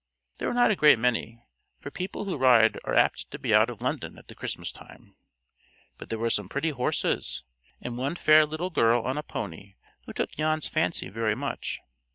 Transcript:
There were not a great many, for people who ride are apt to be out of London at the Christmas time; but there were some pretty horses, and one fair little girl on a pony who took Jan's fancy very much.